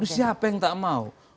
siapa yang tak mau